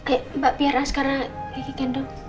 eh mbak biar askara kiki kandung